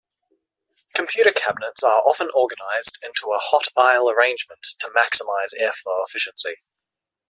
Computer cabinets are often organized into a hot aisle arrangement to maximize airflow efficiency.